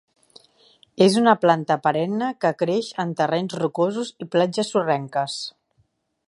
És una planta perenne que creix en terrenys rocosos i platges sorrenques.